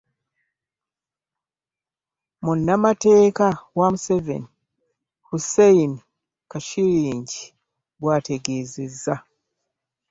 Munnamateeka wa Museveni Hussein Kashillingi bw'ategeezezza.